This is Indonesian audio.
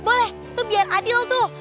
boleh tuh biar adil tuh